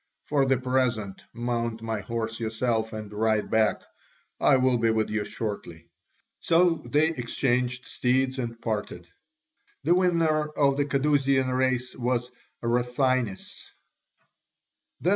For the present, mount my horse yourself and ride back; I will be with you shortly." So they exchanged steeds and parted. The winner of the Cadousian race was Rathines.